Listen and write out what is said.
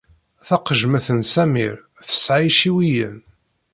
Taqemjet n Samir tesɛa iciwiyen.